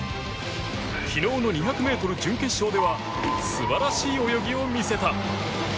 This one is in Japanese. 昨日の２００ｍ準決勝では素晴らしい泳ぎを見せた。